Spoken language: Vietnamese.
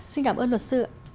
xin cảm ơn luật sư